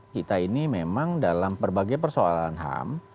kita ini memang dalam berbagai persoalan ham